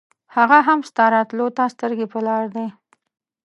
هغه هم ستا راتلو ته سترګې پر لار دی.